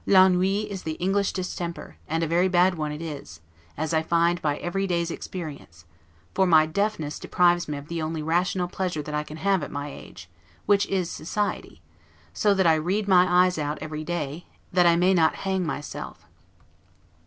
'L'ennui' is the English distemper: and a very bad one it is, as I find by every day's experience; for my deafness deprives me of the only rational pleasure that I can have at my age, which is society; so that I read my eyes out every day, that I may not hang myself.